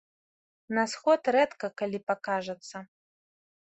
На сход рэдка калі пакажацца.